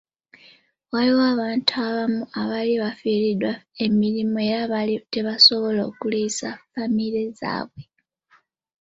Waliwo abantu abamu abaali abafiiriddwa emirimu era baali tebasobola kuliisa famire zaabwe.